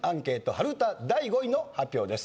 春うた第５位の発表です。